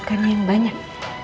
makan yang banyak